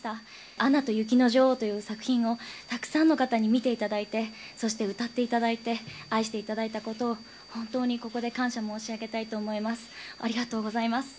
アナと雪の女王という作品をたくさんの方に見ていただいて、そして歌っていただいて、愛していただいたことを、本当にここで感謝申し上げたいと思います。